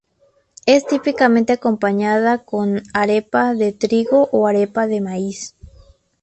Es típicamente acompañada con arepa de trigo o arepa de maíz.